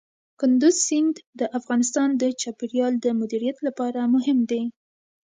کندز سیند د افغانستان د چاپیریال د مدیریت لپاره مهم دی.